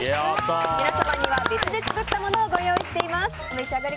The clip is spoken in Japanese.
皆様には別で作ったものをご用意しています。